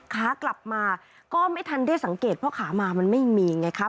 ขากลับมาก็ไม่ทันได้สังเกตเพราะขามามันไม่มีไงครับ